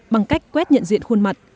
bằng cách quét nhận diện khuôn mặt